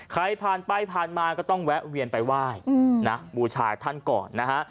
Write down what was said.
ใครผ่านไปผ่านมาก็ต้องแวะเวียนไปไหว้นะบูชาท่านก่อนนะฮะ